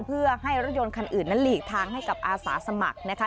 เพื่อให้รถยนต์คันอื่นนั้นหลีกทางให้กับอาสาสมัครนะคะ